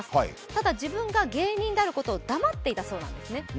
ただ自分が芸人であることを黙っていたそうなんですね。